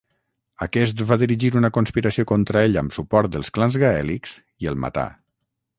Aquest va dirigir una conspiració contra ell amb suport dels clans gaèlics i el matà.